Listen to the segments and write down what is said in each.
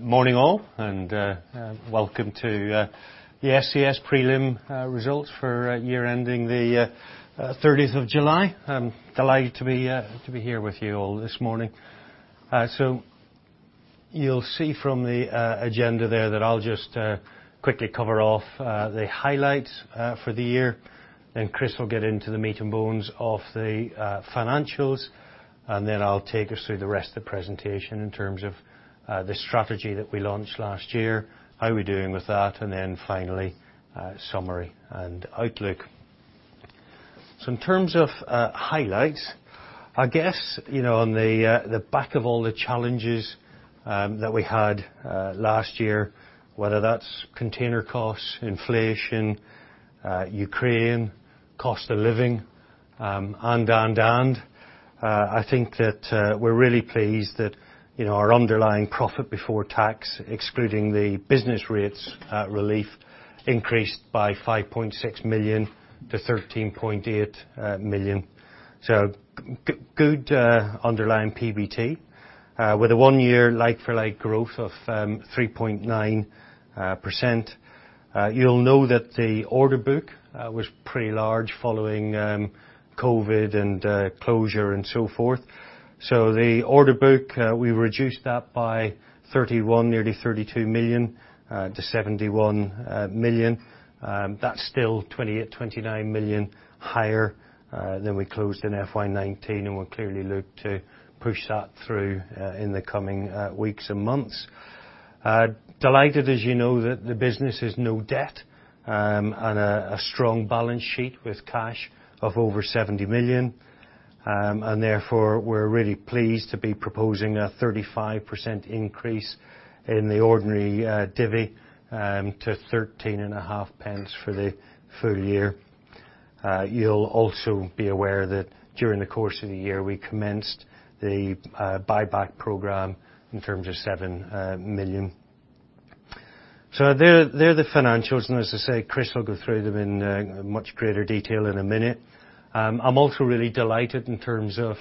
Morning all. Welcome to the ScS prelim results for year ending the thirtieth of July. I'm delighted to be here with you all this morning. You'll see from the agenda there that I'll just quickly cover off the highlights for the year. Chris will get into the meat and bones of the financials. I'll take us through the rest of the presentation in terms of the strategy that we launched last year, how we're doing with that, and finally, summary and outlook. In terms of highlights, I guess, you know, on the back of all the challenges that we had last year, whether that's container costs, inflation, Ukraine, cost of living, and I think that we're really pleased that, you know, our underlying profit before tax, excluding the business rates relief increased by 5.6 million to 13.8 million. Good underlying PBT with a one-year like-for-like growth of 3.9%. You'll know that the order book was pretty large following COVID and closure and so forth. The order book we reduced that by 31 million, nearly 32 million, to 71 million. That's still 29 million higher than we closed in FY2019, and we'll clearly look to push that through in the coming weeks and months. Delighted, as you know, that the business has no debt and a strong balance sheet with cash of over 70 million. Therefore, we're really pleased to be proposing a 35% increase in the ordinary dividend to 0.135 for the full year. You'll also be aware that during the course of the year, we commenced the buyback program in terms of 7 million. So they're the financials. As I say, Chris will go through them in much greater detail in a minute. I'm also really delighted in terms of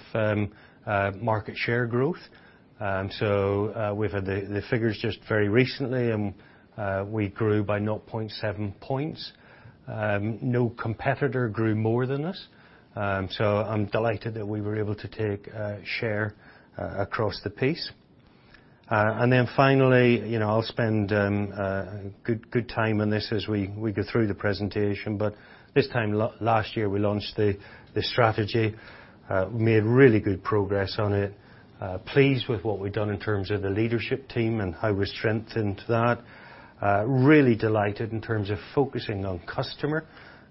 market share growth. We've had the figures just very recently, and we grew by 0.7 points. No competitor grew more than us. I'm delighted that we were able to take share across the piece. Finally, you know, I'll spend good time on this as we go through the presentation, but this time last year we launched the strategy, made really good progress on it. Pleased with what we've done in terms of the leadership team and how we strengthened that. Really delighted in terms of focusing on customer.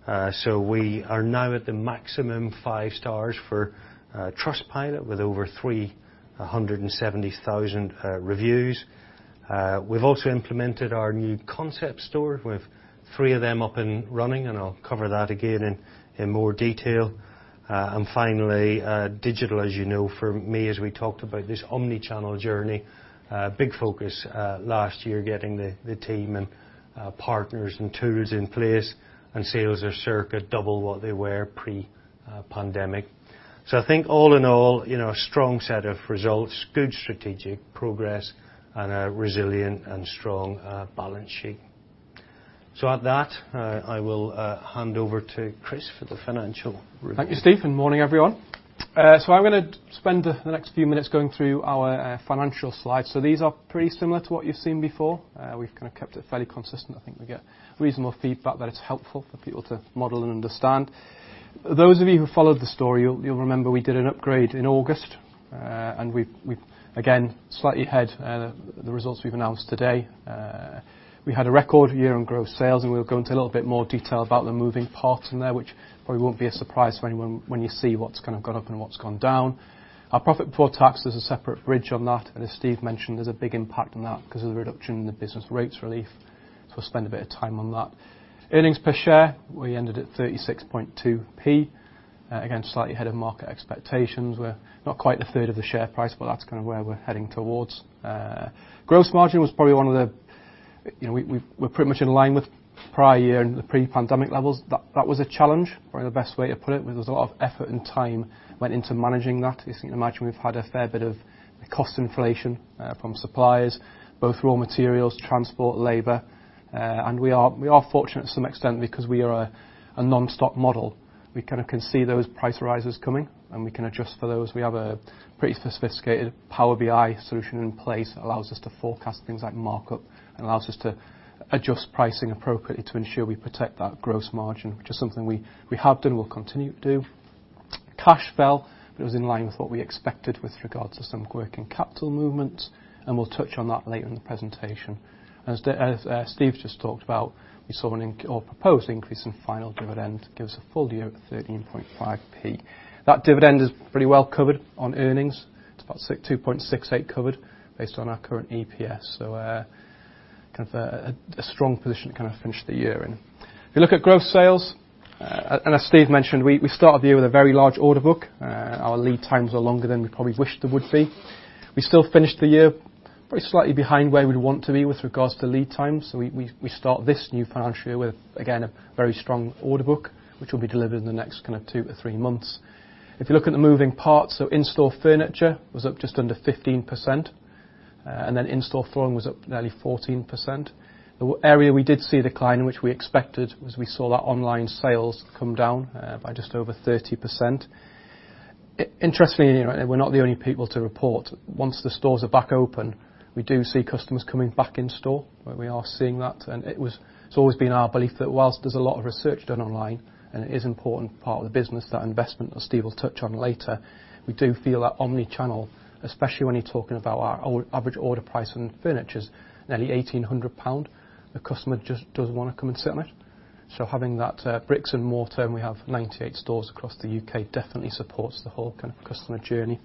We are now at the maximum five stars for Trustpilot with over 370,000 reviews. We've also implemented our new concept store with three of them up and running, and I'll cover that again in more detail. Digital, as you know, for me, as we talked about this omni-channel journey, big focus last year getting the team and partners and tools in place, and sales are circa double what they were pre-pandemic. I think all in all, you know, a strong set of results, good strategic progress and a resilient and strong balance sheet. With that, I will hand over to Chris for the financial review. Thank you, Steve, and good morning, everyone. I'm gonna spend the next few minutes going through our financial slides. These are pretty similar to what you've seen before. We've kind of kept it fairly consistent. I think we get reasonable feedback that it's helpful for people to model and understand. Those of you who followed the story, you'll remember we did an upgrade in August, and we've again slightly ahead of the results we've announced today. We had a record year on growth sales, and we'll go into a little bit more detail about the moving parts in there, which probably won't be a surprise for anyone when you see what's kind of gone up and what's gone down. Our profit before tax, there's a separate bridge on that. As Steve mentioned, there's a big impact on that 'cause of the reduction in the business rates relief. We'll spend a bit of time on that. Earnings per share, we ended at 0.362. Again, slightly ahead of market expectations. We're not quite a third of the share price, but that's kind of where we're heading towards. Gross margin was probably one of the challenges. You know, we're pretty much in line with prior year and the pre-pandemic levels. That was a challenge, probably the best way to put it, where there was a lot of effort and time went into managing that. As you can imagine, we've had a fair bit of cost inflation from suppliers, both raw materials, transport, labor. We are fortunate to some extent because we are a non-stock model. We kinda can see those price rises coming, and we can adjust for those. We have a pretty sophisticated Power BI solution in place that allows us to forecast things like markup and allows us to adjust pricing appropriately to ensure we protect that gross margin, which is something we have done and will continue to do. Cash fell, but it was in line with what we expected with regards to some working capital movements, and we'll touch on that later in the presentation. As Steve's just talked about, we saw a proposed increase in final dividend, gives a full year of 0.135. That dividend is pretty well covered on earnings. It's about 2.68 covered based on our current EPS. Kind of a strong position to kind of finish the year in. If you look at growth sales, and as Steve mentioned, we start the year with a very large order book. Our lead times are longer than we probably wished they would be. We still finished the year probably slightly behind where we'd want to be with regards to lead times. We start this new financial year with, again, a very strong order book, which will be delivered in the next kind of two to three months. If you look at the moving parts, in-store furniture was up just under 15%. In-store flooring was up nearly 14%. The area we did see a decline, which we expected, was we saw that online sales come down by just over 30%. Interestingly, you know, we're not the only people to report. Once the stores are back open, we do see customers coming back in store, where we are seeing that, and it's always been our belief that while there's a lot of research done online, and it is important part of the business, that investment that Steve will touch on later, we do feel that omni-channel, especially when you're talking about our average order price on furniture's nearly 1,800 pounds. The customer just does wanna come and sit on it. Having that bricks and mortar, and we have 98 stores across the U.K., definitely supports the whole kind of customer journey.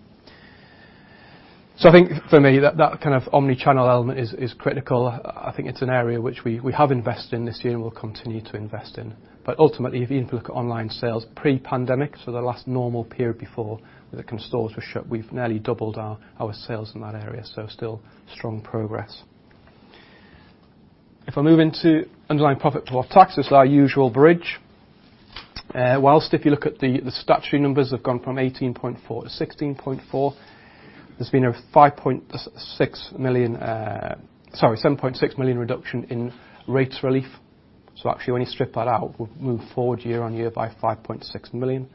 I think for me, that kind of omni-channel element is critical. I think it's an area which we have invested in this year and will continue to invest in. Ultimately, if you look at online sales pre-pandemic, so the last normal period before the kind of stores were shut, we've nearly doubled our sales in that area, so still strong progress. If I move into underlying profit to our taxes, our usual bridge. While if you look at the statutory numbers have gone from 18.4 million-16.4 million, there's been a 7.6 million reduction in rates relief. So actually, when you strip that out, we've moved forward year-on-year by 5.6 million,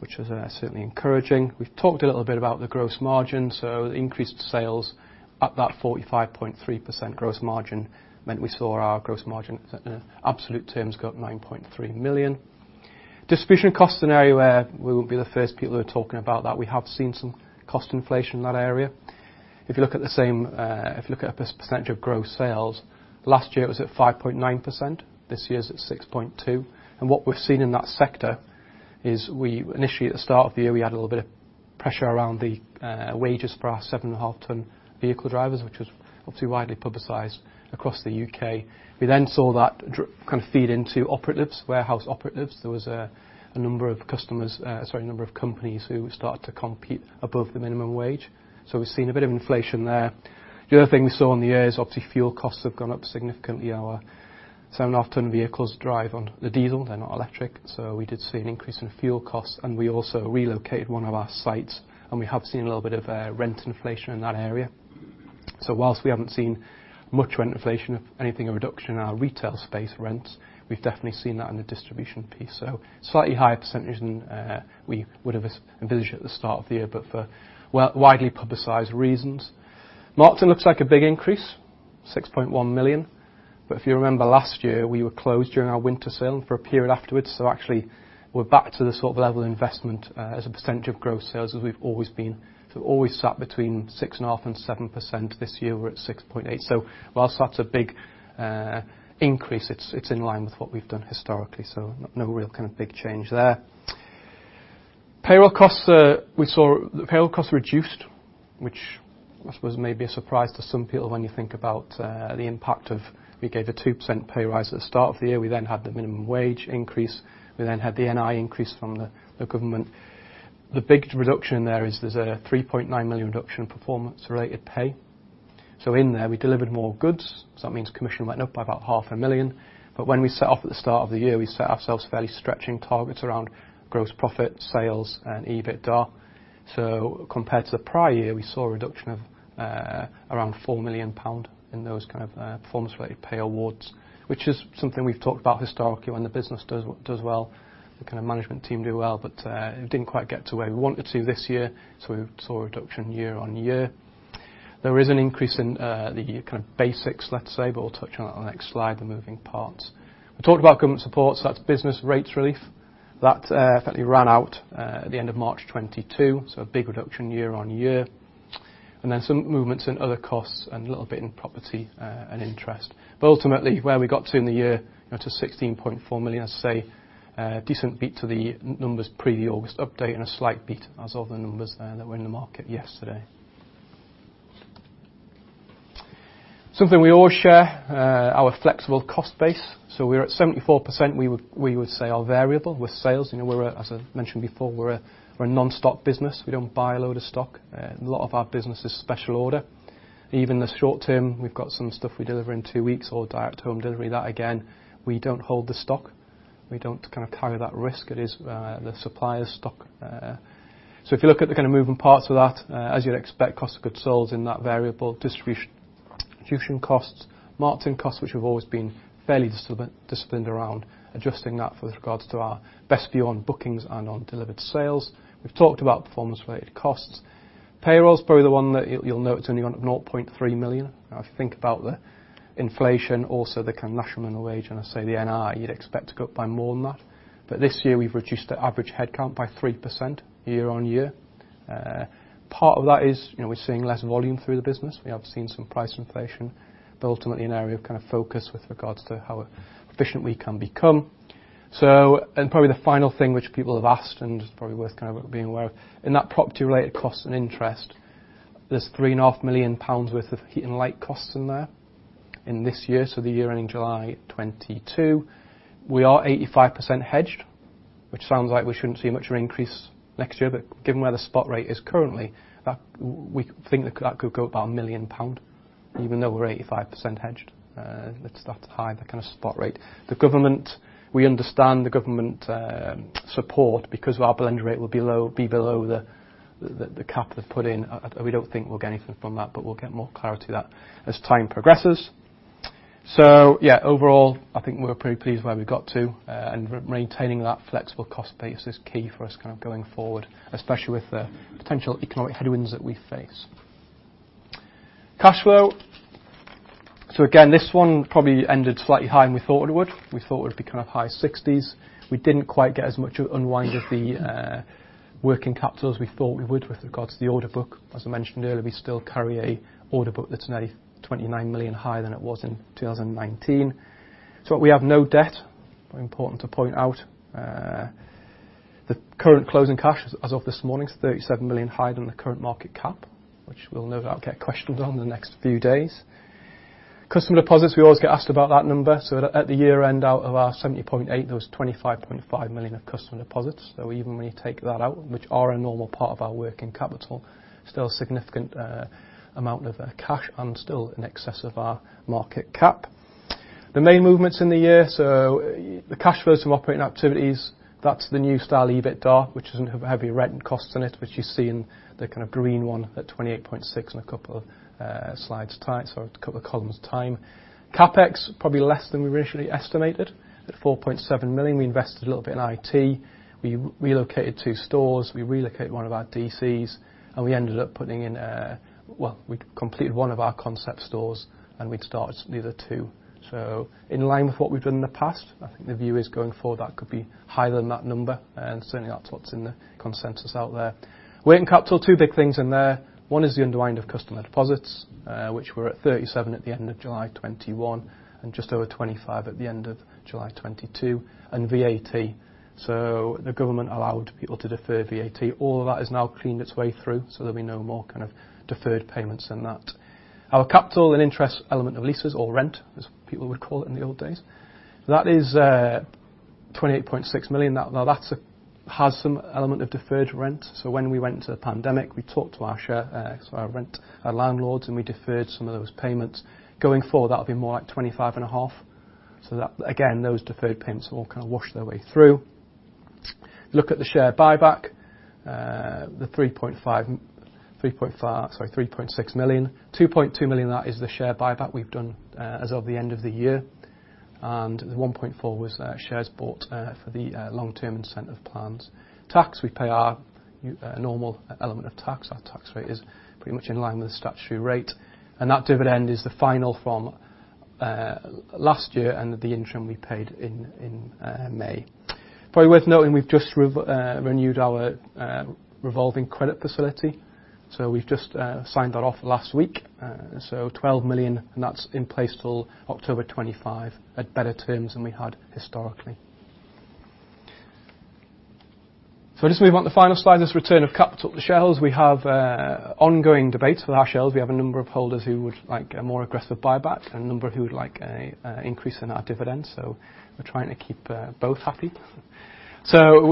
which is certainly encouraging. We've talked a little bit about the gross margin, so increased sales at that 45.3% gross margin meant we saw our gross margin absolute terms go up 9.3 million. Distribution costs, an area where we won't be the first people who are talking about that. We have seen some cost inflation in that area. If you look at a percentage of gross sales, last year it was at 5.9%. This year it's at 6.2%. What we've seen in that sector is we initially at the start of the year, we had a little bit of pressure around the wages for our 7.5-ton vehicle drivers, which was obviously widely publicized across the U.K. We then saw that kind of feed into operatives, warehouse operatives. There was a number of companies who started to compete above the minimum wage. We've seen a bit of inflation there. The other thing we saw in the year is obviously fuel costs have gone up significantly. Our 7-ton vehicles drive on the diesel. They're not electric. We did see an increase in fuel costs, and we also relocated one of our sites, and we have seen a little bit of rent inflation in that area. While we haven't seen much rent inflation, if anything, a reduction in our retail space rents, we've definitely seen that in the distribution piece. Slightly higher percentage than we would have envisioned at the start of the year, but for widely publicized reasons. Marketing looks like a big increase, 6.1 million. If you remember last year, we were closed during our winter sale and for a period afterwards. Actually we're back to the sort of level of investment as a percentage of gross sales as we've always been. Always sat between 6.5% and 7%. This year we're at 6.8%. Whilst that's a big increase, it's in line with what we've done historically. No real kind of big change there. Payroll costs, we saw the payroll costs reduced, which I suppose may be a surprise to some people when you think about the impact of we gave a 2% pay rise at the start of the year. We then had the minimum wage increase. We then had the NI increase from the government. The big reduction there is there's a 3.9 million reduction in performance-related pay. In there, we delivered more goods. That means commission went up by about 500,000. When we set off at the start of the year, we set ourselves fairly stretching targets around gross profit, sales and EBITDA. Compared to the prior year, we saw a reduction of around 4 million pound in those kind of performance-related pay awards, which is something we've talked about historically when the business does well, the kind of management team do well, but it didn't quite get to where we wanted to this year, so we saw a reduction year on year. There is an increase in the kind of basics, let's say, but we'll touch on that on the next slide, the moving parts. We talked about government support, so that's business rates relief. That effectively ran out at the end of March 2022, so a big reduction year on year. Then some movements in other costs and a little bit in property and interest. Ultimately, where we got to in the year, you know, to 16.4 million, as I say, decent beat to the numbers pre the August update and a slight beat as of the numbers there that were in the market yesterday. Something we all share, our flexible cost base. We're at 74% we would, we would say are variable with sales. You know, we're, as I mentioned before, we're a non-stock business. We don't buy a load of stock. A lot of our business is special order. Even the short term, we've got some stuff we deliver in two weeks or direct home delivery that again, we don't hold the stock. We don't kind of carry that risk. It is the supplier's stock. If you look at the kind of moving parts of that, as you'd expect, cost of goods sold and that variable distribution costs, marketing costs, which have always been fairly disciplined around adjusting that with regards to our best view on bookings and on delivered sales. We've talked about performance related costs. Payroll is probably the one that you'll note it's only gone up 0.3 million. If you think about the inflation, also the kind of national minimum wage, and, say, the NI, you'd expect to go up by more than that. This year, we've reduced the average headcount by 3% year-on-year. Part of that is, you know, we're seeing less volume through the business. We have seen some price inflation, but ultimately an area of kind of focus with regards to how efficient we can become. Probably the final thing which people have asked and is probably worth kind of being aware of, in that property-related cost and interest, there's 3.5 million pounds worth of heat and light costs in there in this year, the year ending July 2022. We are 85% hedged, which sounds like we shouldn't see much of an increase next year, but given where the spot rate is currently, that we think that could go up by 1 million pound. Even though we're 85% hedged, that's high, that kind of spot rate. The government, we understand the government support because our blend rate will be below the cap they've put in. We don't think we'll get anything from that, but we'll get more clarity to that as time progresses. Yeah, overall, I think we're pretty pleased where we've got to, and we're maintaining that flexible cost base is key for us kind of going forward, especially with the potential economic headwinds that we face. Cash flow. Again, this one probably ended slightly higher than we thought it would. We thought it would be kind of high sixties. We didn't quite get as much unwind of the working capital as we thought we would with regards to the order book. As I mentioned earlier, we still carry an order book that's nearly 29 million higher than it was in 2019. We have no debt, important to point out. The current closing cash as of this morning is 37 million higher than the current market cap, which we'll no doubt get questioned on in the next few days. Customer deposits, we always get asked about that number. At the year-end, out of our 70.8, there was 25.5 million of customer deposits. Even when you take that out, which are a normal part of our working capital, still significant amount of cash and still in excess of our market cap. The main movements in the year, the cash flows from operating activities, that's the new style EBITDA, which doesn't have heavy rent and costs in it, which you see in the kind of green one at 28.6 in a couple of slides' time, a couple of columns' time. CapEx, probably less than we originally estimated. At 4.7 million, we invested a little bit in IT. We relocated two stores, we relocated one of our DCs, and we ended up. Well, we completed one of our concept stores and we'd started the other two. In line with what we've done in the past, I think the view is going forward, that could be higher than that number, and certainly that's what's in the consensus out there. Working capital, two big things in there. One is the unwind of customer deposits, which were at 37 at the end of July 2021, and just over 25 at the end of July 2022, and VAT. The government allowed people to defer VAT. All of that has now cleaned its way through, so there'll be no more kind of deferred payments in that. Our capital and interest element of leases or rent, as people would call it in the old days, that is, 28.6 million. Now that's has some element of deferred rent. When we went into the pandemic, we talked to our rent, our landlords, and we deferred some of those payments. Going forward, that'll be more like 25.5%. That, again, those deferred payments all kind of wash their way through. Look at the share buyback, the 3.6 million. 2.2 million of that is the share buyback we've done, as of the end of the year, and the 1.4 million was shares bought for the long-term incentive plans. Tax, we pay our normal element of tax. Our tax rate is pretty much in line with the statutory rate. That dividend is the final from last year and the interim we paid in May. Probably worth noting, we've just renewed our revolving credit facility. We've just signed that off last week. 12 million, and that's in place till October 2025 at better terms than we had historically. Just move on to the final slide, this return of capital to shareholders. We have ongoing debates with our shareholders. We have a number of holders who would like a more aggressive buyback and a number who would like an increase in our dividends. We're trying to keep both happy.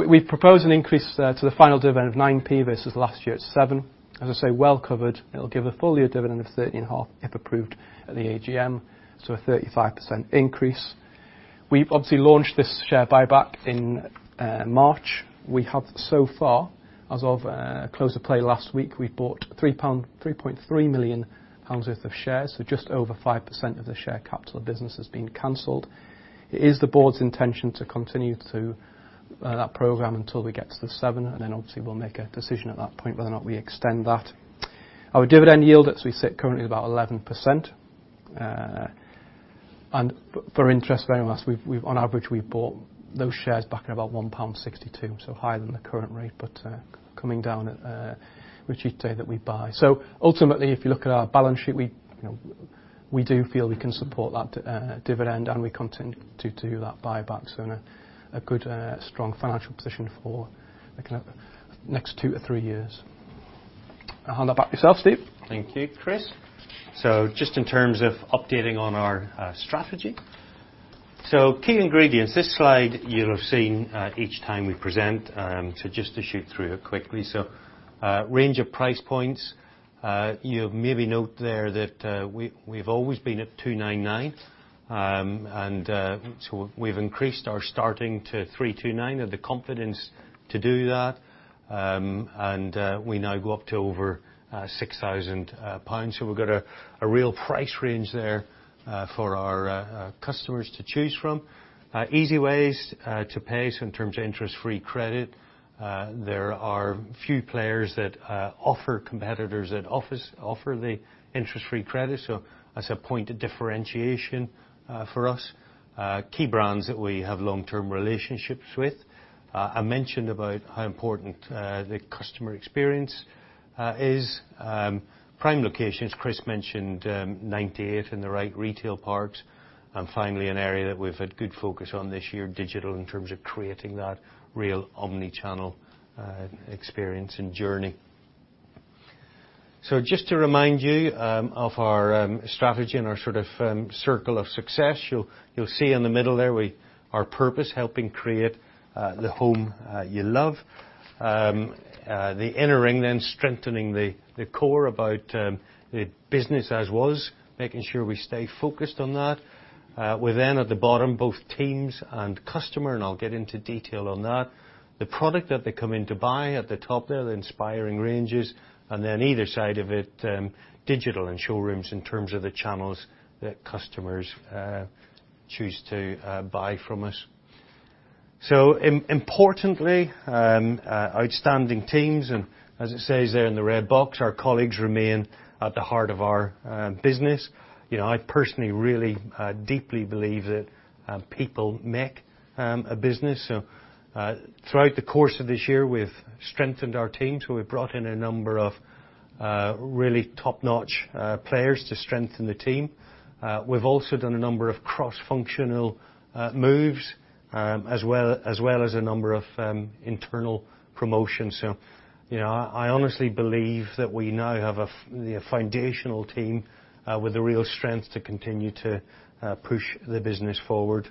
We've proposed an increase to the final dividend of 0.09 Versus last year's 0.07. As I say, well covered. It'll give a full year dividend of 0.135 if approved at the AGM, so a 35% increase. We obviously launched this share buyback in March. We have so far, as of close of play last week, we've bought 3.3 million pounds worth of shares, so just over 5% of the share capital of the business has been canceled. It is the board's intention to continue to that program until we get to the seven, and then obviously we'll make a decision at that point whether or not we extend that. Our dividend yield, as we sit currently is about 11%. And for interest, over the last, on average, we've bought those shares back at about 1.62 pound, so higher than the current rate, but coming down a bit with each day that we buy. Ultimately, if you look at our balance sheet, you know, we do feel we can support that dividend and we continue to do that buyback in a good strong financial position for the kind of next two to three years. I'll hand it back to yourself, Steve. Thank you, Chris. Just in terms of updating on our strategy. Key ingredients, this slide you'll have seen each time we present, so just to shoot through it quickly. Range of price points, you maybe note there that we've always been at 299. We've increased our starting to 329. Had the confidence to do that. We now go up to over 6,000 pounds. We've got a real price range there for our customers to choose from. Easy ways to pay, in terms of interest-free credit, there are few competitors that offer the interest-free credit, so that's a point of differentiation for us. Key brands that we have long-term relationships with. I mentioned about how important the customer experience is. Prime locations, Chris mentioned, 98 in the right retail parts. Finally, an area that we've had good focus on this year, digital, in terms of creating that real omni-channel experience and journey. Just to remind you of our strategy and our sort of circle of success. You'll see in the middle there our purpose, helping create the home you love. The inner ring then strengthening the core about the business as was, making sure we stay focused on that. We then at the bottom, both teams and customer, and I'll get into detail on that. The product that they come in to buy at the top there, the inspiring ranges, and then either side of it, digital and showrooms in terms of the channels that customers choose to buy from us. Importantly, outstanding teams, and as it says there in the red box, our colleagues remain at the heart of our business. You know, I personally really deeply believe that people make a business. Throughout the course of this year, we've strengthened our teams. We've brought in a number of really top-notch players to strengthen the team. We've also done a number of cross-functional moves, as well as a number of internal promotions. You know, I honestly believe that we now have the foundational team with the real strength to continue to push the business forward.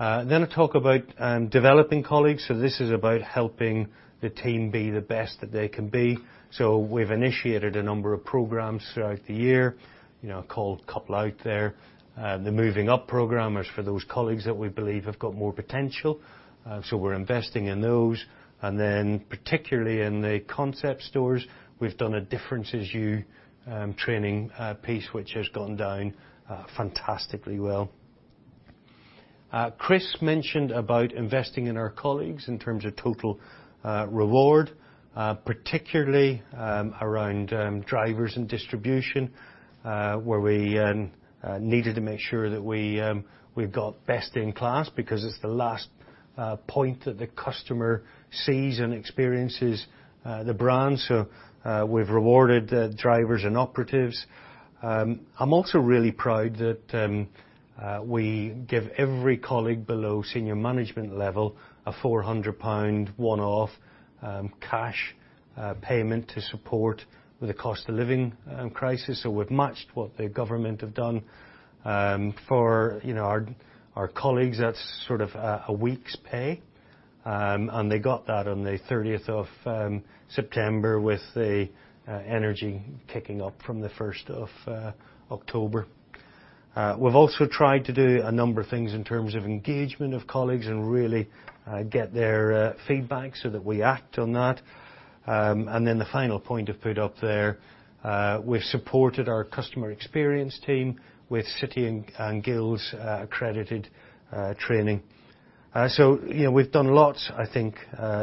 I talk about developing colleagues. This is about helping the team be the best that they can be. We've initiated a number of programs throughout the year, you know, called Couple Out there. The Moving Up program is for those colleagues that we believe have got more potential, so we're investing in those. Particularly in the concept stores, we've done a different sales training piece, which has gone down fantastically well. Chris mentioned about investing in our colleagues in terms of total reward, particularly around drivers and distribution, where we needed to make sure that we've got best in class because it's the last point that the customer sees and experiences the brand. We've rewarded the drivers and operatives. I'm also really proud that we give every colleague below senior management level a 400 pound one-off cash payment to support the cost of living crisis. We've matched what the government have done. For you know, our colleagues, that's sort of a week's pay, and they got that on the thirtieth of September with the energy kicking off from the first of October. We've also tried to do a number of things in terms of engagement of colleagues and really get their feedback so that we act on that. Then the final point I've put up there, we've supported our customer experience team with City & Guilds accredited training. You know, we've done lots, I think,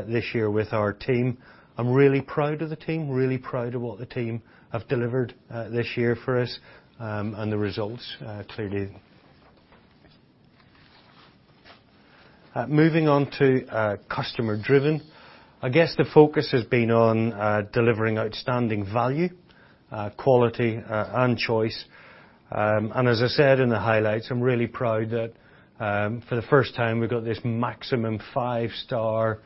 this year with our team. I'm really proud of the team. Really proud of what the team have delivered this year for us, and the results clearly. Moving on to customer driven. I guess the focus has been on delivering outstanding value, quality, and choice. As I said in the highlights, I'm really proud that, for the first time we've got this maximum five-star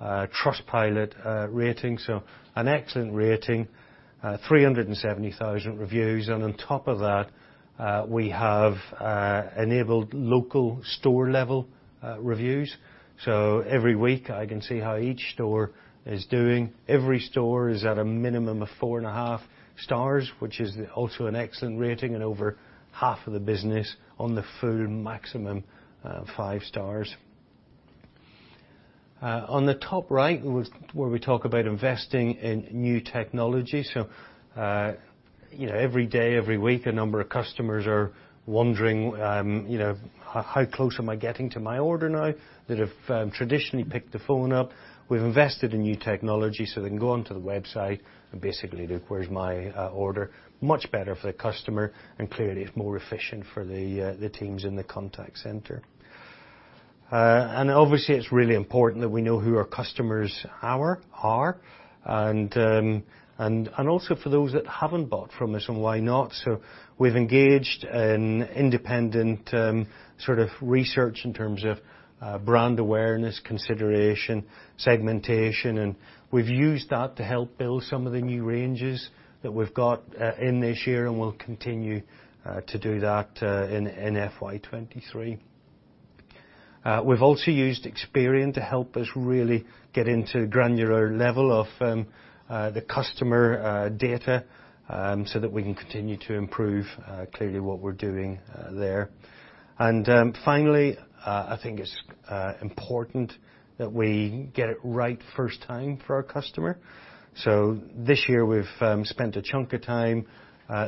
Trustpilot rating, so an excellent rating, 370,000 reviews. On top of that, we have enabled local store-level reviews. Every week, I can see how each store is doing. Every store is at a minimum of four and a half stars, which is also an excellent rating and over half of the business on the full maximum five stars. On the top right, was where we talk about investing in new technology. You know, every day, every week, a number of customers are wondering, you know, "How close am I getting to my order now?" They'd have traditionally picked the phone up. We've invested in new technology so they can go onto the website and basically look where's my order. Much better for the customer and clearly it's more efficient for the teams in the contact center. Obviously it's really important that we know who our customers are, and also for those that haven't bought from us and why not. We've engaged in independent sort of research in terms of brand awareness, consideration, segmentation, and we've used that to help build some of the new ranges that we've got in this year, and we'll continue to do that in FY2023. We've also used Experian to help us really get into granular level of the customer data so that we can continue to improve clearly what we're doing there. Finally, I think it's important that we get it right first time for our customer. This year we've spent a chunk of time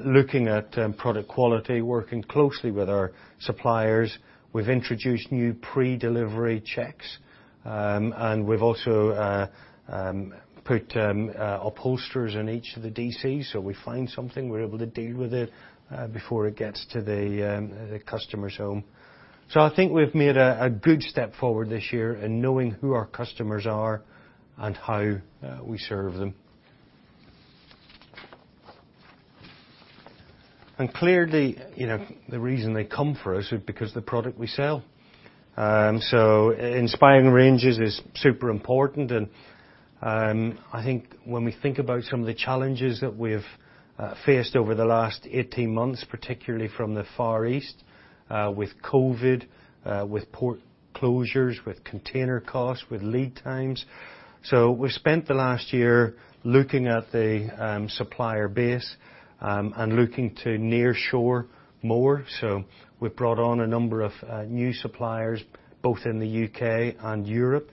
looking at product quality, working closely with our suppliers. We've introduced new pre-delivery checks, and we've also put upholsterers in each of the DCs so if we find something, we're able to deal with it before it gets to the customer's home. I think we've made a good step forward this year in knowing who our customers are and how we serve them. Clearly, you know, the reason they come for us is because the product we sell. Inspiring ranges is super important, and I think when we think about some of the challenges that we've faced over the last 18 months, particularly from the Far East, with COVID, with port closures, with container costs, with lead times. We spent the last year looking at the supplier base and looking to nearshore more. We've brought on a number of new suppliers, both in the U.K. and Europe.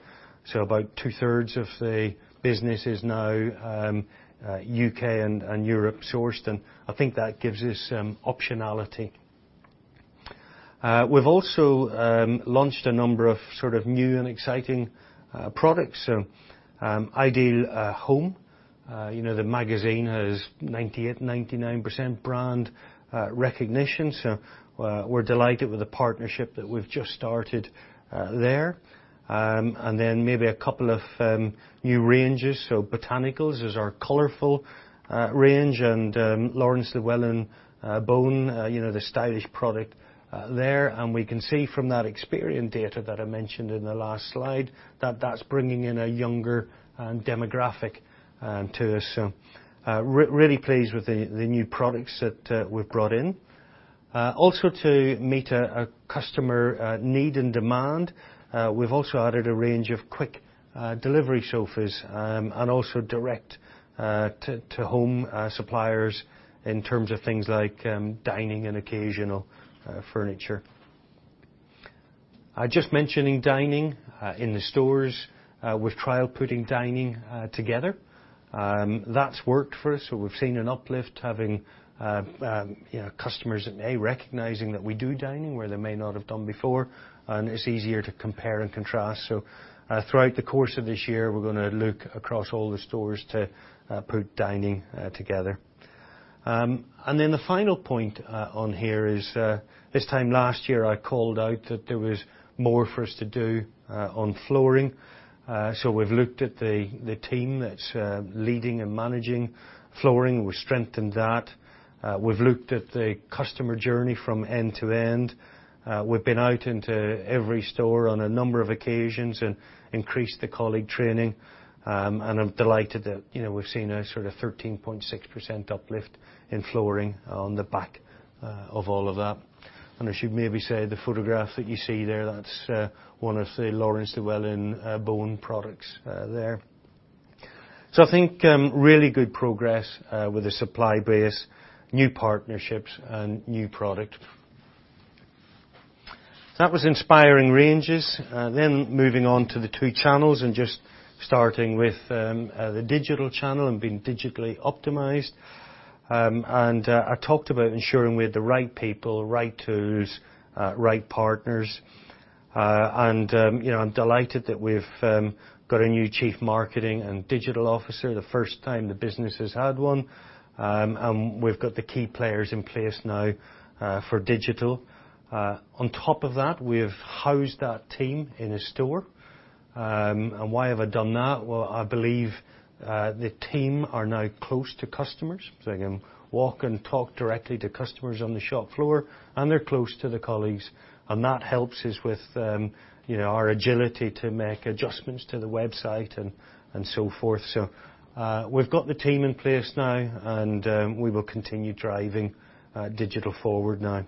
About 2/3 of the business is now U.K. and Europe sourced, and I think that gives us some optionality. We've also launched a number of sort of new and exciting products. Ideal Home, you know, the magazine has 98%-99% brand recognition. We're delighted with the partnership that we've just started there. Maybe a couple of new ranges. Botanicals is our colorful range, and Laurence Llewelyn-Bowen, you know, the stylish product there. We can see from that Experian data that I mentioned in the last slide that that's bringing in a younger demographic to us. Really pleased with the new products that we've brought in. Also to meet a customer need and demand, we've also added a range of quick delivery sofas, and also direct to home suppliers in terms of things like dining and occasional furniture. Just mentioning dining in the stores, we've trialed putting dining together. That's worked for us. We've seen an uplift having, you know, customers recognizing that we do dining where they may not have done before, and it's easier to compare and contrast. Throughout the course of this year, we're gonna look across all the stores to put dining together. The final point on here is this time last year, I called out that there was more for us to do on flooring. We've looked at the team that's leading and managing flooring. We've strengthened that. We've looked at the customer journey from end to end. We've been out into every store on a number of occasions and increased the colleague training. I'm delighted that, you know, we've seen a sort of 13.6% uplift in flooring on the back of all of that. I should maybe say the photograph that you see there, that's one of the Laurence Llewelyn-Bowen products there. I think really good progress with the supply base, new partnerships and new product. That was inspiring ranges. Moving on to the two channels and just starting with the digital channel and being digitally optimized. I talked about ensuring we had the right people, right tools, right partners. You know, I'm delighted that we've got a new chief marketing and digital officer, the first time the business has had one. We've got the key players in place now for digital. On top of that, we've housed that team in a store. Why have I done that? Well, I believe the team are now close to customers, so they can walk and talk directly to customers on the shop floor, and they're close to the colleagues. That helps us with, you know, our agility to make adjustments to the website and so forth. We've got the team in place now, and we will continue driving digital forward now.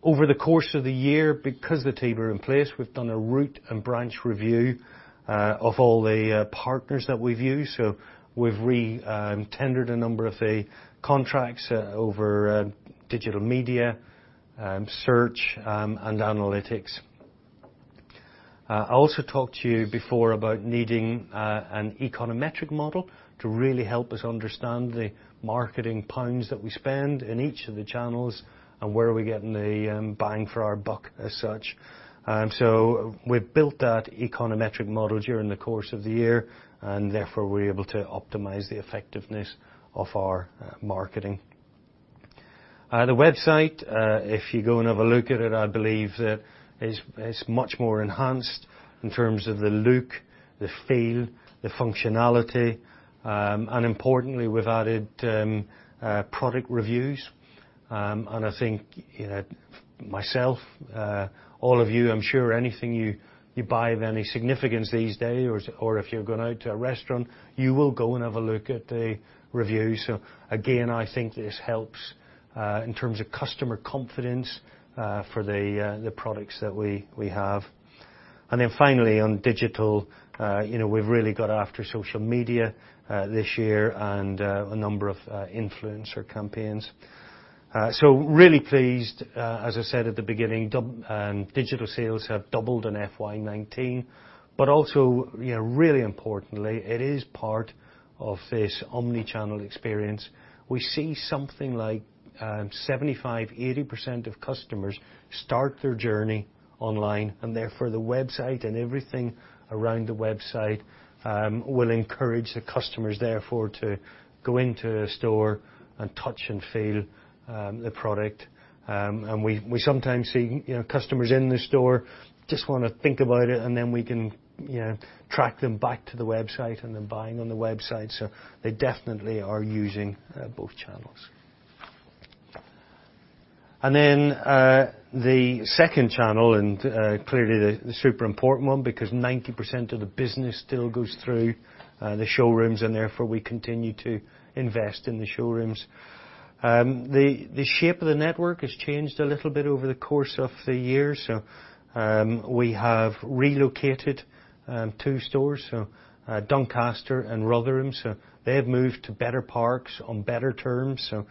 Over the course of the year, because the team are in place, we've done a root and branch review of all the partners that we've used. We've tendered a number of the contracts over digital media, search, and analytics. I also talked to you before about needing an econometric model to really help us understand the marketing pounds that we spend in each of the channels and where are we getting the bang for our buck as such. We've built that econometric model during the course of the year, and therefore, we're able to optimize the effectiveness of our marketing. The website, if you go and have a look at it, I believe that it's much more enhanced in terms of the look, the feel, the functionality. Importantly, we've added product reviews. I think, you know, myself, all of you, I'm sure anything you buy of any significance these days or if you're going out to a restaurant, you will go and have a look at the reviews. Again, I think this helps in terms of customer confidence for the products that we have. Finally, on digital, you know, we've really gone after social media this year and a number of influencer campaigns. Really pleased, as I said at the beginning, digital sales have doubled in FY2019, but also, you know, really importantly, it is part of this omni-channel experience. We see something like 75%-80% of customers start their journey online, and therefore, the website and everything around the website will encourage the customers to go into a store and touch and feel the product. We sometimes see, you know, customers in the store just wanna think about it, and then we can, you know, track them back to the website and them buying on the website. They definitely are using both channels. The second channel and clearly the super important one because 90% of the business still goes through the showrooms and therefore we continue to invest in the showrooms. The shape of the network has changed a little bit over the course of the year. We have relocated two stores, so Doncaster and Rotherham. They have moved to better parks on better terms, so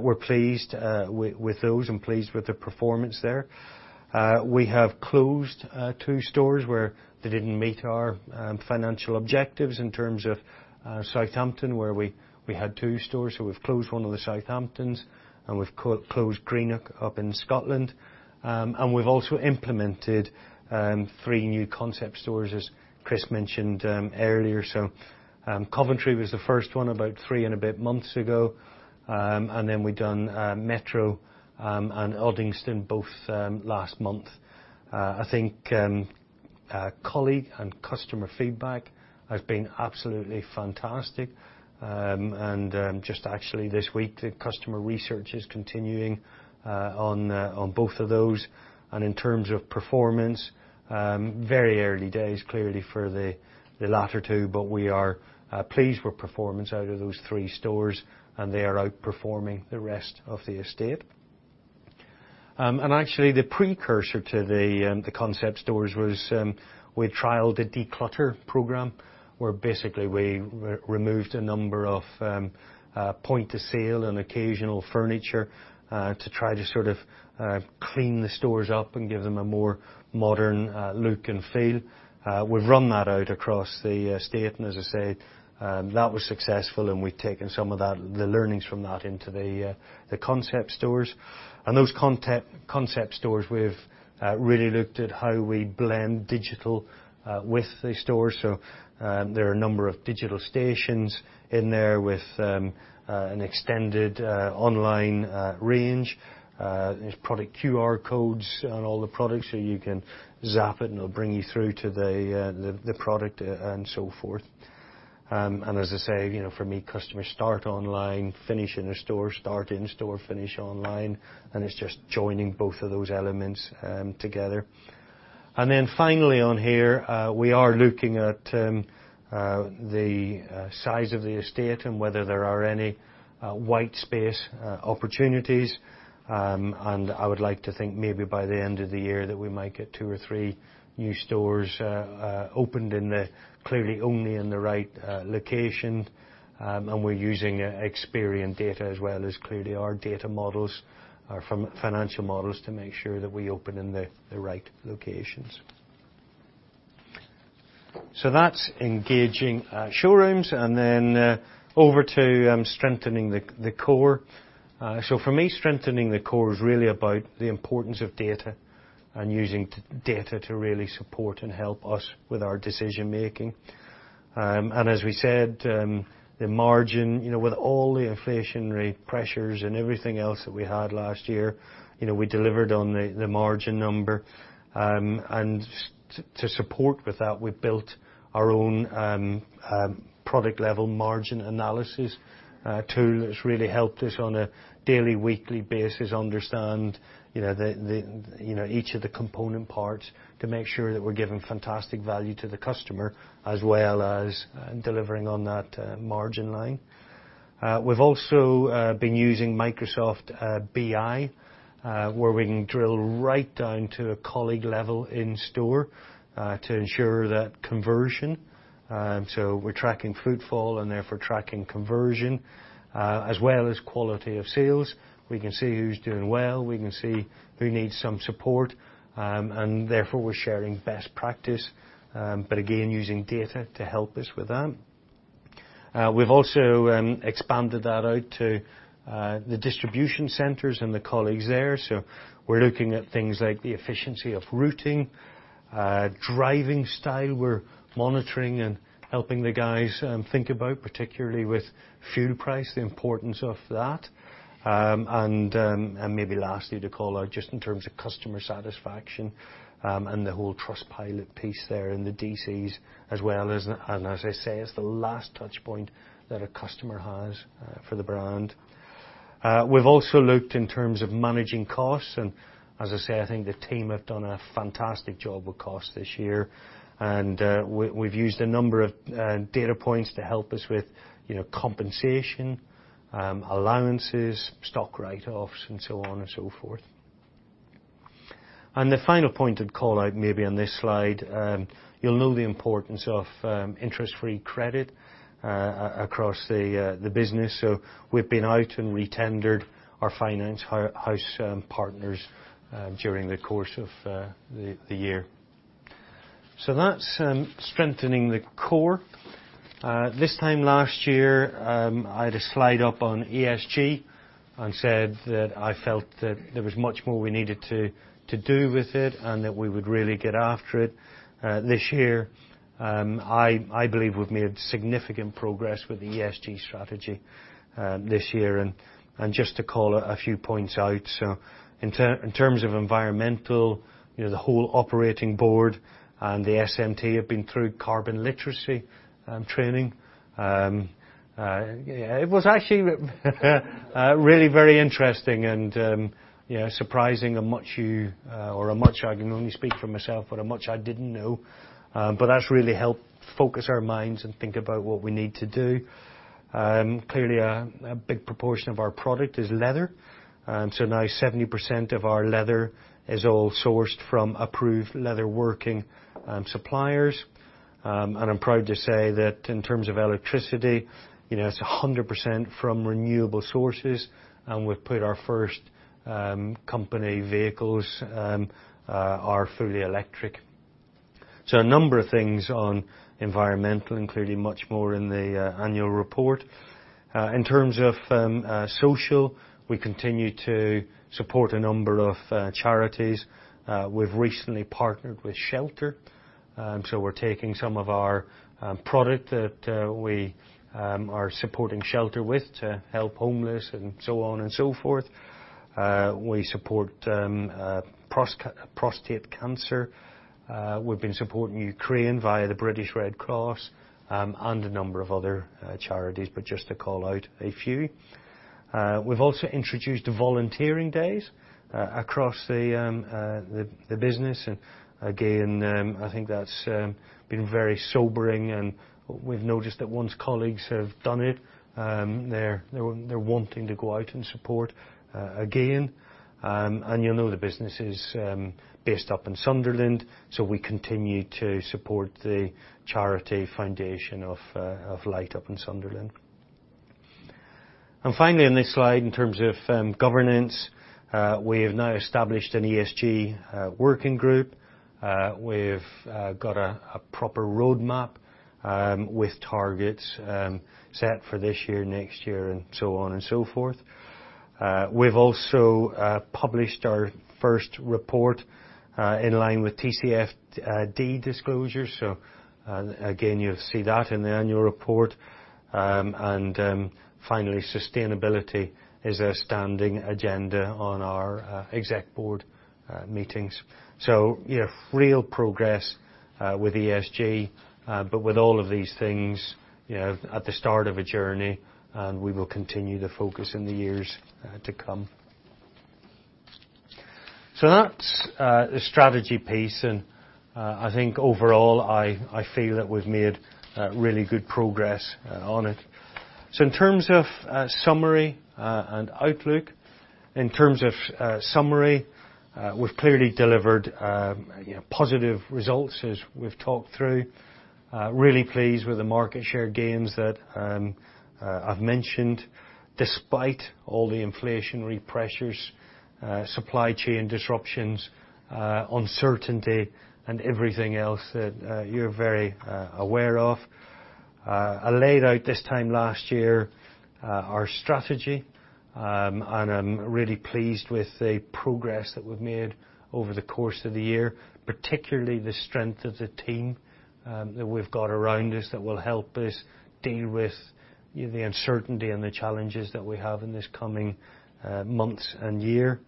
we're pleased with those and pleased with the performance there. We have closed two stores where they didn't meet our financial objectives in terms of Southampton, where we had two stores. We've closed one of the Southamptons and we've closed Greenock up in Scotland. We've also implemented three new concept stores as Chris mentioned earlier. Coventry was the first one about three and a bit months ago. Then we've done Metro and Uddingston both last month. I think colleague and customer feedback have been absolutely fantastic. Just actually this week, the customer research is continuing on both of those. In terms of performance, very early days, clearly for the latter two. We are pleased with performance out of those three stores, and they are outperforming the rest of the estate. Actually the precursor to the concept stores was we trialed a declutter program, where basically we re-removed a number of point-of-sale and occasional furniture to try to sort of clean the stores up and give them a more modern look and feel. We've run that out across the estate, and as I say, that was successful and we've taken some of that, the learnings from that into the concept stores. Those concept stores, we've really looked at how we blend digital with the stores. There are a number of digital stations in there with an extended online range. There's product QR codes on all the products, so you can zap it and it'll bring you through to the product and so forth. As I say, you know, for me, customers start online, finish in a store, start in store, finish online, and it's just joining both of those elements together. Then finally on here, we are looking at the size of the estate and whether there are any white space opportunities. I would like to think maybe by the end of the year that we might get two or three new stores opened, clearly only in the right location. We're using Experian data as well as clearly our data models are from financial models to make sure that we open in the right locations. That's engaging showrooms and then over to strengthening the core. For me, strengthening the core is really about the importance of data and using data to really support and help us with our decision-making. As we said, the margin, you know, with all the inflationary pressures and everything else that we had last year, you know, we delivered on the margin number. To support with that, we've built our own product level margin analysis tool that's really helped us on a daily, weekly basis understand each of the component parts to make sure that we're giving fantastic value to the customer as well as delivering on that margin line. We've also been using Power BI where we can drill right down to a colleague level in store to ensure that conversion. We're tracking footfall and therefore tracking conversion as well as quality of sales. We can see who's doing well. We can see who needs some support. Therefore we're sharing best practice but again, using data to help us with that. We've also expanded that out to the distribution centers and the colleagues there. We're looking at things like the efficiency of routing, driving style we're monitoring and helping the guys think about, particularly with fuel price, the importance of that. Maybe lastly to call out just in terms of customer satisfaction, and the whole Trustpilot piece there in the DCs as well as. As I say, it's the last touch point that a customer has for the brand. We've also looked in terms of managing costs. As I say, I think the team have done a fantastic job with cost this year. We've used a number of data points to help us with, you know, compensation, allowances, stock write-offs and so on and so forth. The final point I'd call out maybe on this slide, you'll know the importance of interest-free credit across the business. We've been out and retendered our finance house partners during the course of the year. That's strengthening the core. This time last year, I had a slide up on ESG and said that I felt that there was much more we needed to do with it and that we would really get after it. This year, I believe we've made significant progress with the ESG strategy this year. Just to call a few points out, in terms of environmental, you know, the whole operating board and the SMT have been through Carbon Literacy training. It was actually really very interesting and, you know, surprising how much I can only speak for myself, but how much I didn't know. That's really helped focus our minds and think about what we need to do. Clearly a big proportion of our product is leather. Now 70% of our leather is all sourced from approved Leather Working Group suppliers. I'm proud to say that in terms of electricity, you know, it's 100% from renewable sources, and we've put our first company vehicles are fully electric. A number of things on environmental, including much more in the annual report. In terms of social, we continue to support a number of charities. We've recently partnered with Shelter. We're taking some of our product that we are supporting Shelter with to help homeless and so on and so forth. We support prostate cancer. We've been supporting Ukraine via the British Red Cross and a number of other charities, but just to call out a few. We've also introduced volunteering days across the business. Again, I think that's been very sobering, and we've noticed that once colleagues have done it, they're wanting to go out and support again. You know the business is based up in Sunderland, so we continue to support the charity Foundation of Light up in Sunderland. Finally on this slide, in terms of governance, we have now established an ESG working group. We've got a proper roadmap with targets set for this year, next year, and so on and so forth. We've also published our first report in line with TCFD disclosures. Again, you'll see that in the annual report. Finally, sustainability is a standing agenda on our exec board meetings. Yeah, real progress with ESG, but with all of these things, you know, at the start of a journey, and we will continue to focus in the years to come. That's the strategy piece, and I think overall, I feel that we've made really good progress on it. In terms of summary and outlook, we've clearly delivered, you know, positive results as we've talked through. Really pleased with the market share gains that I've mentioned, despite all the inflationary pressures, supply chain disruptions, uncertainty, and everything else that you're very aware of. I laid out this time last year our strategy, and I'm really pleased with the progress that we've made over the course of the year, particularly the strength of the team that we've got around us that will help us deal with the uncertainty and the challenges that we have in these coming months and year.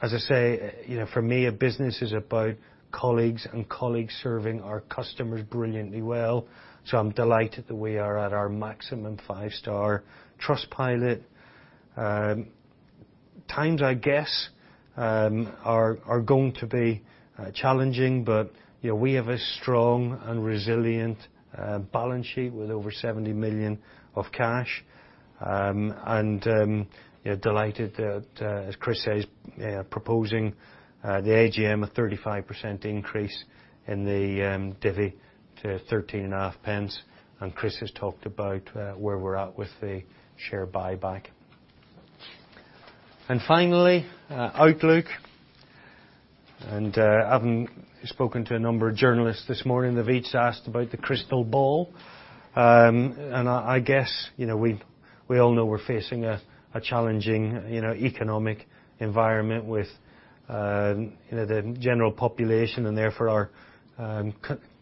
As I say, you know, for me, a business is about colleagues serving our customers brilliantly well. I'm delighted that we are at our maximum five-star Trustpilot. Times, I guess, are going to be challenging, but you know, we have a strong and resilient balance sheet with over 70 million of cash. You know, delighted that as Chris says, proposing at the AGM a 35% increase in the divvy to 0.135, and Chris has talked about where we're at with the share buyback. Finally, outlook. Having spoken to a number of journalists this morning, they've each asked about the crystal ball. I guess, you know, we all know we're facing a challenging economic environment with you know, the general population and therefore our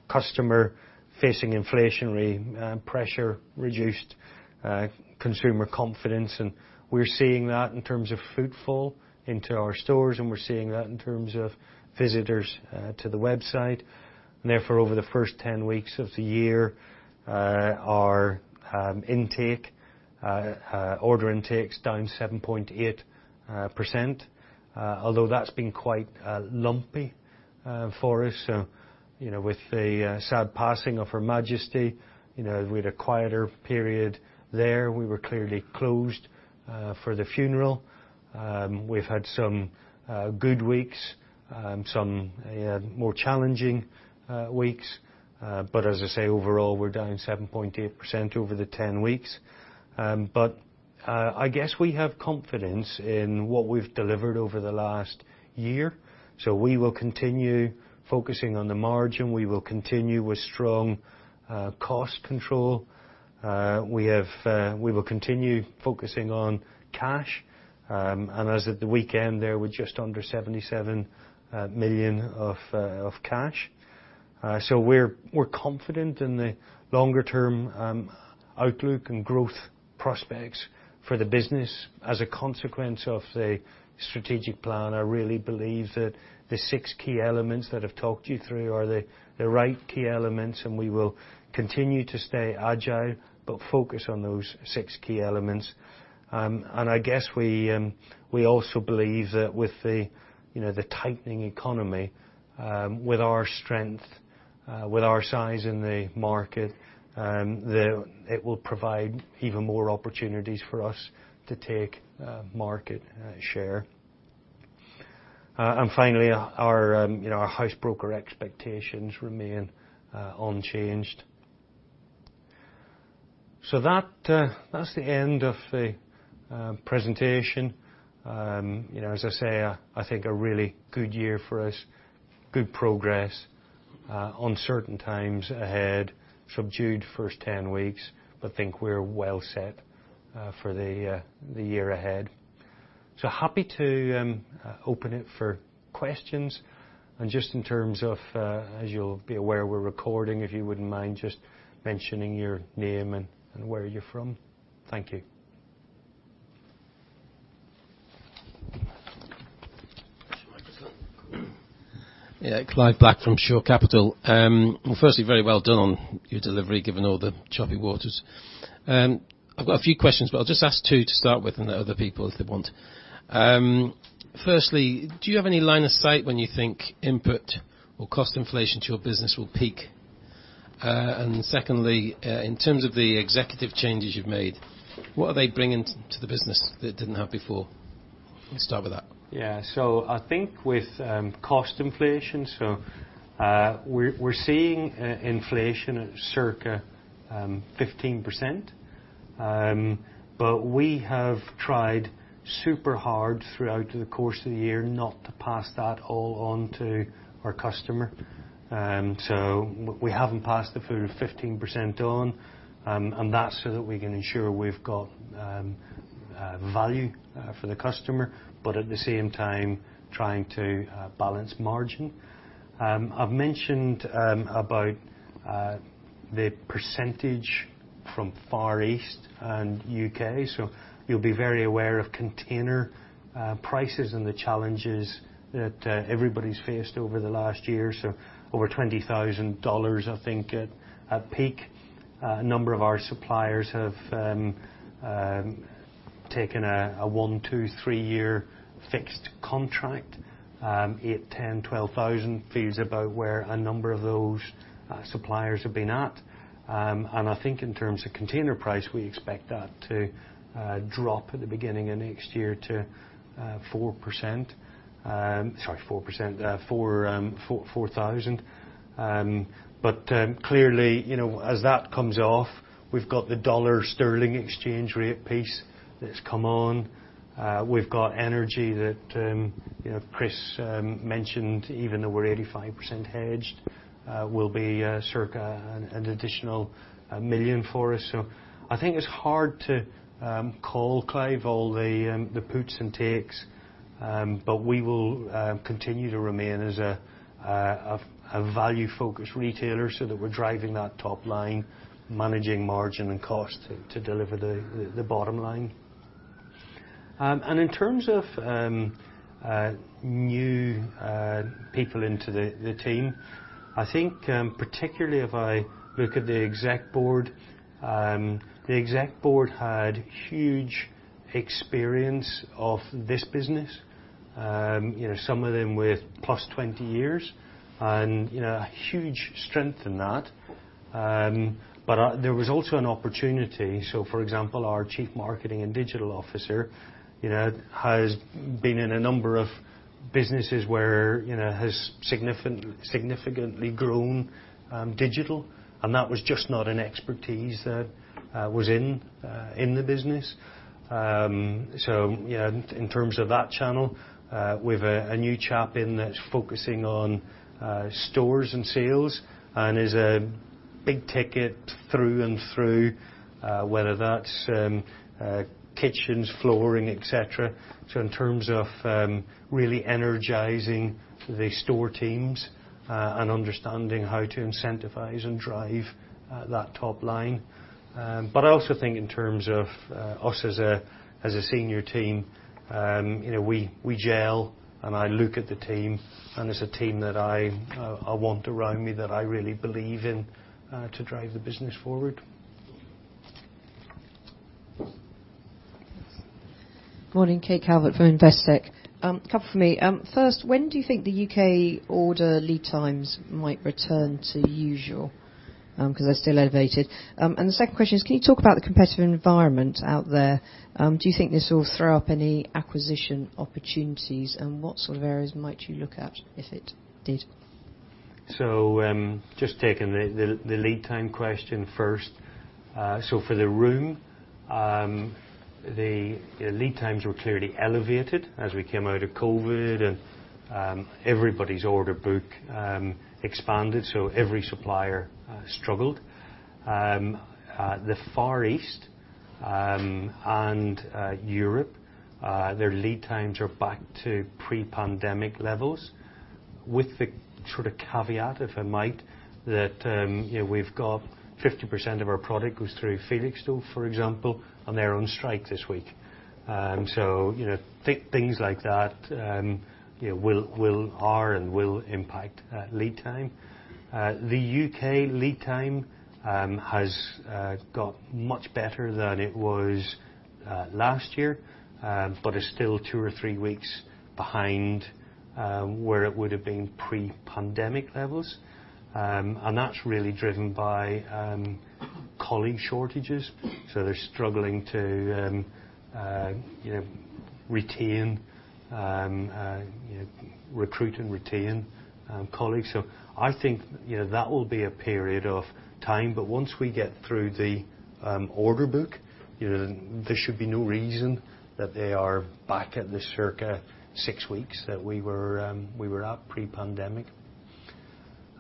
customer facing inflationary pressure, reduced consumer confidence. We're seeing that in terms of footfall into our stores, and we're seeing that in terms of visitors to the website. Therefore, over the first 10 weeks of the year, our order intake's down 7.8%, although that's been quite lumpy for us. You know, with the sad passing of Her Majesty, you know, we had a quieter period there. We were clearly closed for the funeral. We've had some good weeks, some more challenging weeks. But as I say, overall, we're down 7.8% over the 10 weeks. I guess we have confidence in what we've delivered over the last year. We will continue focusing on the margin. We will continue with strong cost control. We will continue focusing on cash. As at the weekend there, we're just under 77 million of cash. We're confident in the longer term outlook and growth prospects for the business. As a consequence of the strategic plan, I really believe that the six key elements that I've talked you through are the right key elements, and we will continue to stay agile, but focus on those six key elements. I guess we also believe that with the you know, the tightening economy, with our size in the market, it will provide even more opportunities for us to take market share. Finally, our housebroker expectations remain unchanged. That's the end of the presentation. You know, as I say, I think a really good year for us. Good progress. Uncertain times ahead. Subdued first 10 weeks, but think we're well set for the year ahead. Happy to open it for questions. Just in terms of, as you'll be aware, we're recording, if you wouldn't mind just mentioning your name and where you're from. Thank you. Use your microphone. Yeah, Clive Black from Shore Capital. Well, firstly, very well done on your delivery given all the choppy waters. I've got a few questions, but I'll just ask two to start with, and then other people if they want. Firstly, do you have any line of sight when you think input cost inflation to your business will peak? And secondly, in terms of the executive changes you've made, what are they bringing to the business that it didn't have before? Let's start with that. I think with cost inflation, we're seeing inflation at circa 15%. We have tried super hard throughout the course of the year not to pass that all on to our customer. We haven't passed the full 15% on, and that's so that we can ensure we've got value for the customer, but at the same time trying to balance margin. I've mentioned about the percentage from Far East and U.K. You'll be very aware of container prices and the challenges that everybody's faced over the last year. Over $20,000, I think, at peak. A number of our suppliers have taken a one-, two-, three-year fixed contract. 8, 10, 12 thousand fees is about where a number of those suppliers have been at. I think in terms of container price, we expect that to drop at the beginning of next year to 4,000. Sorry, clearly, you know, as that comes off, we've got the dollar/sterling exchange rate piece that's come on. We've got energy that, you know, Chris mentioned, even though we're 85% hedged, will be circa an additional 1 million for us. I think it's hard to call, Clive, all the puts and takes. We will continue to remain as a value-focused retailer so that we're driving that top line, managing margin and cost to deliver the bottom line. In terms of new people into the team, I think, particularly if I look at the exec board, the exec board had huge experience of this business. You know, some of them with plus 20 years, and you know, a huge strength in that. There was also an opportunity. For example, our Chief Marketing and Digital Officer, you know, has been in a number of businesses where, you know, has significantly grown digital, and that was just not an expertise that was in the business. You know, in terms of that channel, we've a new chap in that's focusing on stores and sales and is a big ticket through and through, whether that's kitchens, flooring, et cetera. In terms of really energizing the store teams and understanding how to incentivize and drive that top line. I also think in terms of us as a senior team, you know, we gel, and I look at the team, and it's a team that I want around me that I really believe in to drive the business forward. Yes. Morning. Kate Calvert from Investec. Couple from me. First, when do you think the U.K. order lead times might return to usual? 'Cause they're still elevated. The second question is, can you talk about the competitive environment out there? Do you think this will throw up any acquisition opportunities, and what sort of areas might you look at if it did? Just taking the lead time question first. For the room, the lead times were clearly elevated as we came out of COVID and everybody's order book expanded, so every supplier struggled. The Far East and Europe, their lead times are back to pre-pandemic levels with the sort of caveat, if I might, that you know, we've got 50% of our product goes through Felixstowe, for example, and they're on strike this week. You know, things like that will impact lead time. The U.K. lead time has got much better than it was last year, but is still two or three weeks behind where it would have been pre-pandemic levels. That's really driven by colleague shortages, so they're struggling to you know retain you know recruit and retain colleagues. I think you know that will be a period of time, but once we get through the order book, you know, there should be no reason that they are back at the circa six weeks that we were at pre-pandemic.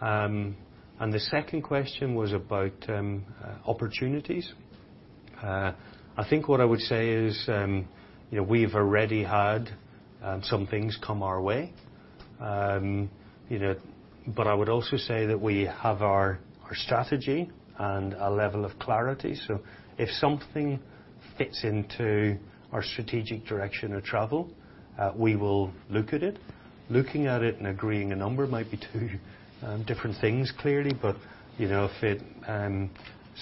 The second question was about opportunities. I think what I would say is you know we've already had some things come our way. You know but I would also say that we have our strategy and a level of clarity. If something fits into our strategic direction of travel we will look at it. Looking at it and agreeing a number might be two different things clearly. You know, if it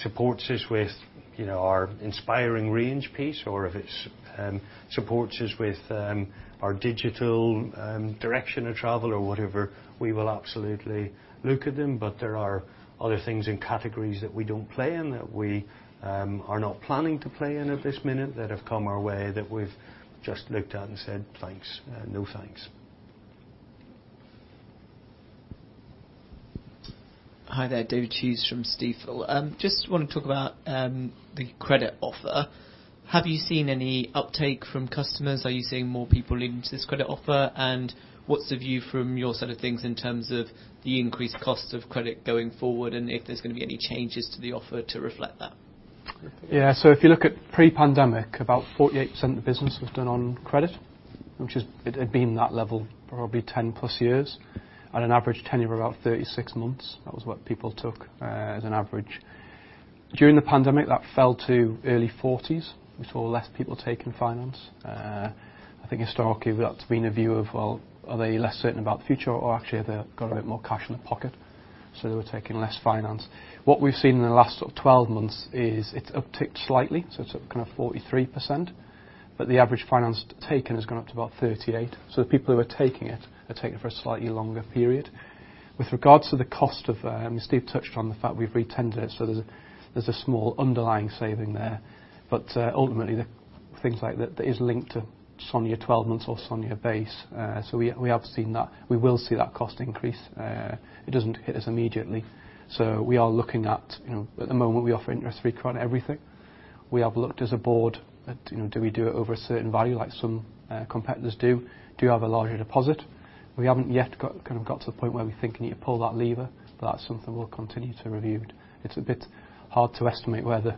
supports us with, you know, our inspiring range piece, or if it supports us with, our digital, direction of travel or whatever, we will absolutely look at them. There are other things in categories that we don't play in, that we are not planning to play in at this minute, that have come our way, that we've just looked at and said, "Thanks. No, thanks. Hi there. David Cheese from Stifel. Just wanna talk about the credit offer. Have you seen any uptake from customers? Are you seeing more people leaning to this credit offer? What's the view from your side of things in terms of the increased cost of credit going forward, and if there's gonna be any changes to the offer to reflect that? Yeah. If you look at pre-pandemic, about 48% of the business was done on credit, which is, it had been that level probably 10+ years, at an average tenure of about 36 months. That was what people took as an average. During the pandemic, that fell to early 40s%. We saw less people taking finance. I think historically, that's been a view of, well, are they less certain about the future, or actually have they got a bit more cash in their pocket, so they were taking less finance? What we've seen in the last sort of 12 months is it's upticked slightly, so it's kind of 43%, but the average finance taken has gone up to about 38. The people who are taking it are taking it for a slightly longer period. With regards to the cost of, Steve touched on the fact we've retendered it, so there's a small underlying saving there. But ultimately, the things like that that is linked to SONIA 12-Month or SONIA Base. So we have seen that. We will see that cost increase. It doesn't hit us immediately. We are looking at, you know, at the moment, we offer interest-free credit on everything. We have looked as a board at, you know, do we do it over a certain value like some competitors do? Do you have a larger deposit? We haven't yet got to the point where we think we need to pull that lever, but that's something we'll continue to review. It's a bit hard to estimate where the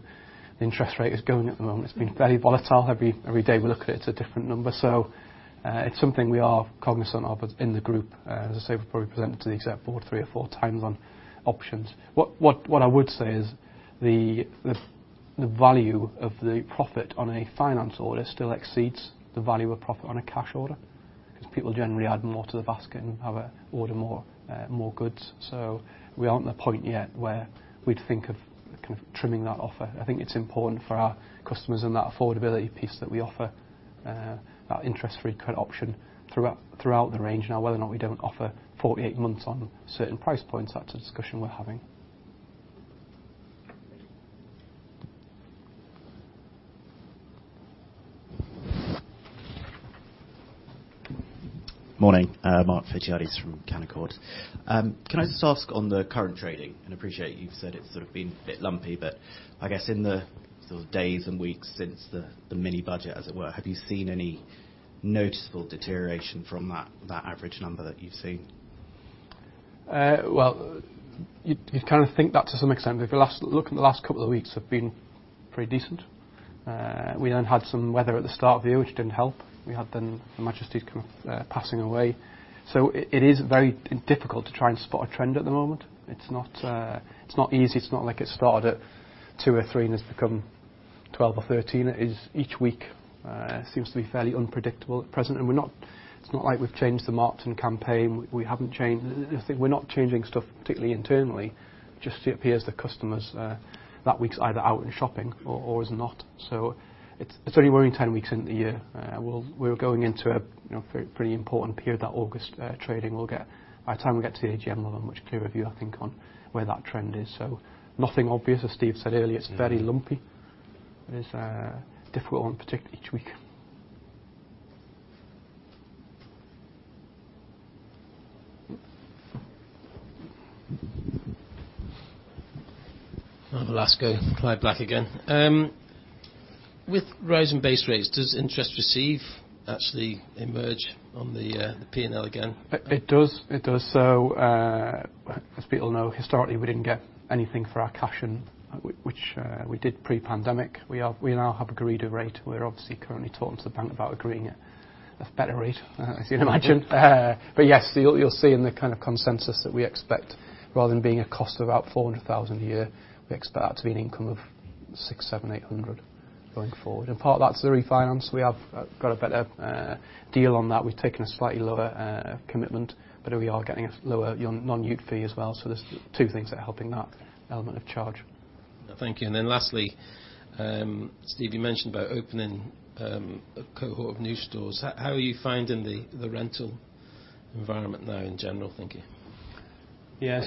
interest rate is going at the moment. It's been very volatile. Every day we look at it's a different number. It's something we are cognizant of in the group. As I say, we've probably presented to the exec board three or four times on options. What I would say is the value of the profit on a finance order still exceeds the value of profit on a cash order, 'cause people generally add more to the basket and order more goods. We aren't at the point yet where we'd think of kind of trimming that offer. I think it's important for our customers and that affordability piece that we offer, that interest-free credit option throughout the range. Now, whether or not we don't offer 48 months on certain price points, that's a discussion we're having. Morning. Mark Photiades from Canaccord Genuity. Can I just ask on the current trading? I appreciate you've said it's sort of been a bit lumpy, but I guess in the sort of days and weeks since the mini budget, as it were, have you seen any noticeable deterioration from that average number that you've seen? Well, you'd kinda think that to some extent. If you look at the last couple of weeks have been pretty decent. We then had some weather at the start of the year which didn't help. We had then Her Majesty's kind of passing away. It is very difficult to try and spot a trend at the moment. It's not easy. It's not like it started at two or three and has become 12 or 13. It is, each week, seems to be fairly unpredictable at present. It's not like we've changed the marketing campaign. We haven't changed I think we're not changing stuff particularly internally. Just, it appears the customer's that week's either out and shopping or is not. It's only 10 weeks into the year. We're going into a, you know, very important period. The August trading we'll get. By the time we get to the AGM, we'll have a much clearer view, I think, on where that trend is. Nothing obvious. As Steve said earlier, it's very lumpy. It's difficult, particularly each week. I'll have a last go. Clive Black again. With rising base rates, does interest received actually emerge on the P&L again? It does. As people know, historically, we didn't get anything for our cash, which we did pre-pandemic. We now have agreed a rate. We're obviously currently talking to the bank about agreeing a better rate, as you'd imagine. Yes. You'll see in the kind of consensus that we expect, rather than being a cost of about 400,000 a year, we expect that to be an income of 600,000-800,000 going forward. In part, that's the refinance. We have got a better deal on that. We've taken a slightly lower commitment, but we are getting a lower non-utilization fee as well, so there are two things that are helping that element of charge. Thank you. Lastly, Steve, you mentioned about opening a cohort of new stores. How are you finding the rental environment now in general? Thank you. Yeah.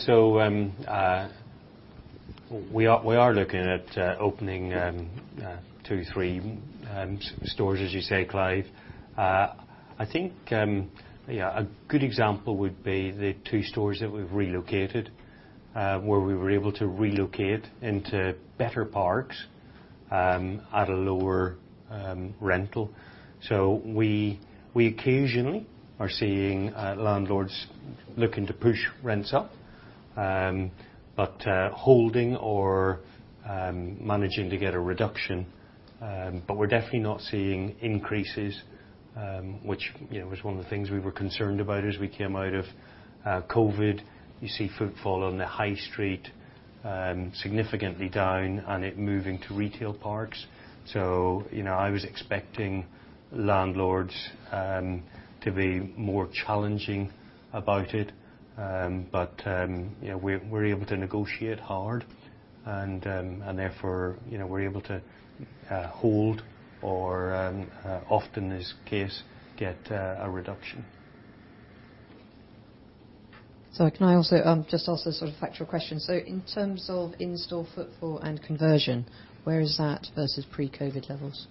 We are looking at opening two, three stores, as you say, Clive. I think a good example would be the two stores that we've relocated, where we were able to relocate into better parks at a lower rental. We occasionally are seeing landlords looking to push rents up. But holding or managing to get a reduction. But we're definitely not seeing increases, which, you know, was one of the things we were concerned about as we came out of COVID. You see footfall on the high street significantly down and it moving to retail parks. You know, I was expecting landlords to be more challenging about it. You know, we're able to negotiate hard and therefore, you know, we're able to hold or, often as is the case, get a reduction. Sorry, can I also just ask a sort of factual question? In terms of in-store footfall and conversion, where is that versus pre-COVID levels?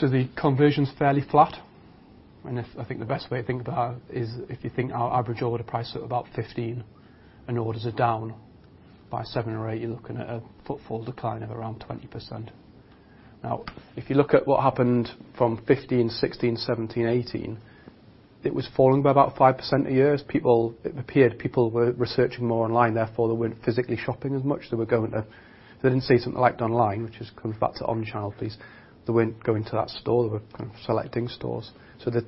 The conversion's fairly flat, and I think the best way to think about it is if you think our average order price is about 15 and orders are down by 7 or 8 you're looking at a footfall decline of around 20%. Now, if you look at what happened from 2015, 2016, 2017, 2018, it was falling by about 5% a year. It appeared people were researching more online, therefore they weren't physically shopping as much. If they didn't see something they liked online, which is kind of back to omni-channel piece, they weren't going to that store. They were kind of selecting stores.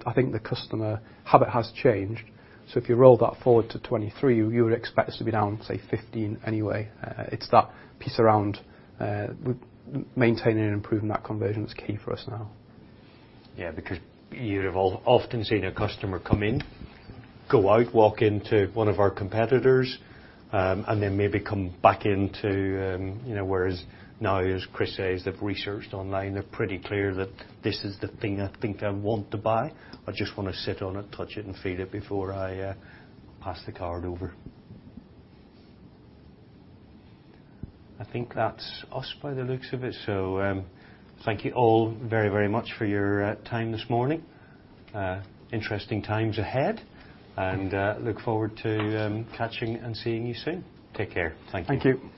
I think the customer habit has changed. If you roll that forward to 2023, you would expect us to be down, say, 15% anyway. It's that piece around maintaining and improving that conversion is key for us now. Yeah, because you've often seen a customer come in, go out, walk into one of our competitors, and then maybe come back into, you know. Whereas now, as Chris says, they've researched online. They're pretty clear that this is the thing I think I want to buy. I just wanna sit on it, touch it, and feel it before I pass the card over. I think that's us by the looks of it. Thank you all very, very much for your time this morning. Interesting times ahead, and look forward to catching and seeing you soon. Take care. Thank you. Thank you.